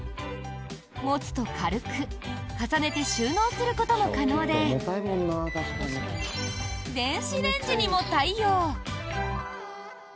持つと軽く重ねて収納することも可能で電子レンジにも対応。